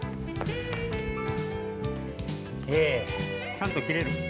ちゃんときれる？